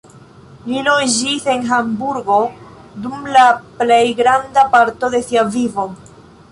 Li loĝis en Hamburgo dum la plej granda parto de sia vivo.